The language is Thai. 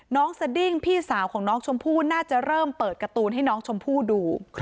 สดิ้งพี่สาวของน้องชมพู่น่าจะเริ่มเปิดการ์ตูนให้น้องชมพู่ดู